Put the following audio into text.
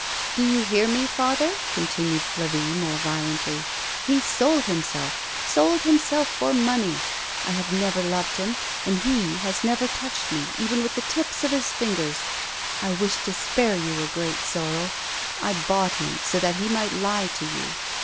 "Do you hear me, father?" continued Flavie, more violently. " He sold himself, sold himself for money ! I have never loved him, and he has never touched me even with the tips of his fingers. I wished to spare you a great sorrow. I bought him, so that he might lie to you.